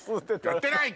やってない！